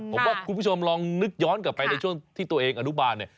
ผมว่าคุณผู้ชมลองนึกย้อนกลับไปในช่วงที่ตัวเองอนุบาลเนี่ย